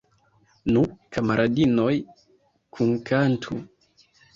Nu, kamaradinoj, kunkantu!